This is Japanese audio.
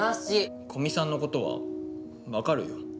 古見さんのことは分かるよ。